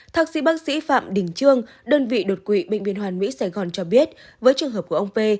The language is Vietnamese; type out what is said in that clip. thạc sĩ bác sĩ phạm đình trương đơn vị đột quỵ bệnh viện hoàn mỹ sài gòn cho biết với trường hợp của ông p